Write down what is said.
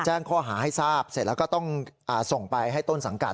แจ้งข้อหาให้ทราบเสร็จแล้วก็ต้องส่งไปให้ต้นสังกัด